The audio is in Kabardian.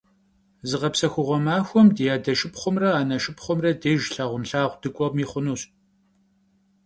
Zığepsexuğue maxuexem di ade şşıpxhumre ane şşıpxhumre dêjj lhağunlhağu dık'uemi xhunuş.